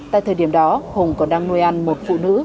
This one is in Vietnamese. tại thời điểm đó hùng còn đang nuôi ăn một phụ nữ